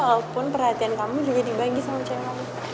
ya walaupun perhatian kamu juga dibagi sama cewek